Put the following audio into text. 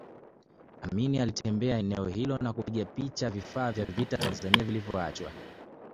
Amin alitembelea eneo hilo na kupiga picha vifaa vya vita vya Tanzania vilivyoachwa